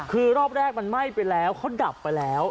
คือรอบแรกมันไหม้ไปแล้วเขาดับไปแล้ว